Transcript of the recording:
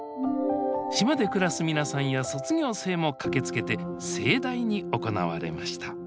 島で暮らす皆さんや卒業生も駆けつけて盛大に行われました